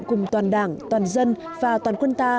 cùng toàn đảng toàn dân và toàn quân ta